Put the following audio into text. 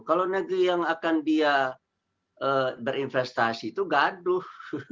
kalau negeri yang akan dia berinvestasi itu gaduh